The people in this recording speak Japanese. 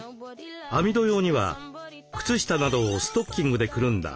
網戸用には靴下などをストッキングでくるんだ